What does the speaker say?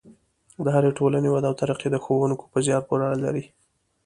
د هرې ټولنې وده او ترقي د ښوونکو په زیار پورې اړه لري.